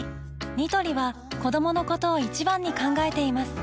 ニトリは子どものことを一番に考えています